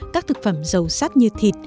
các thực phẩm dầu sắt như thịt